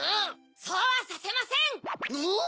そうはさせません！